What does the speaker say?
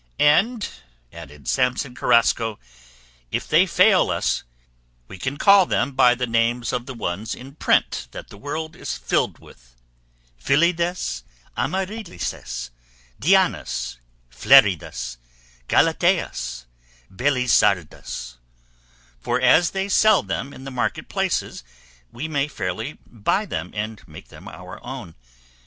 "And," added Samson Carrasco, "if they fail us, we can call them by the names of the ones in print that the world is filled with, Filidas, Amarilises, Dianas, Fleridas, Galateas, Belisardas; for as they sell them in the market places we may fairly buy them and make them our own.